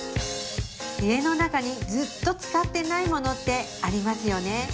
家の中にずっと使ってないものってありますよね